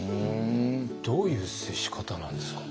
どういう接し方なんですか？